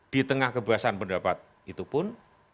di tengah kebiasaan pendapat itu pun